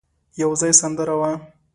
يو ځای سندره وه.